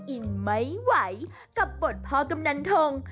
อินไหมไหวกับบทพ่อกรรมนันทง